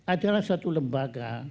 adalah satu lembaga